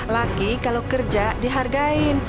lagi kalo kerja dihargain